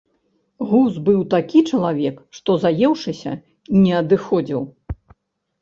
Гуз быў такі чалавек, што, заеўшыся, не адыходзіў.